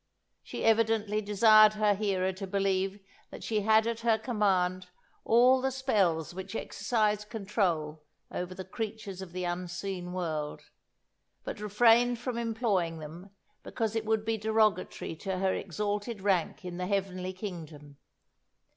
She evidently desired her hearer to believe that she had at her command all the spells which exercise control over the creatures of the unseen world, but refrained from employing them because it would be derogatory to her exalted rank in the heavenly kingdom.